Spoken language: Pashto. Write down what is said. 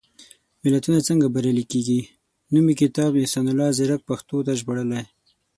ملتونه څنګه بریالي کېږي؟ نومي کتاب، احسان الله ځيرک پښتو ته ژباړلی.